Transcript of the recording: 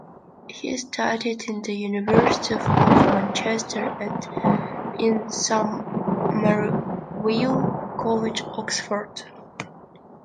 He studied in the University of Manchester and in Somerville College, Oxford.